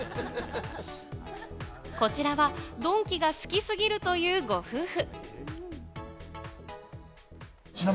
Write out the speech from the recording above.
こちらはドンキが好き過ぎるというご夫婦。